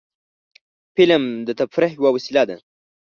فلم د تفریح یوه وسیله ده